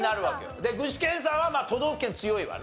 で具志堅さんは都道府県強いわな。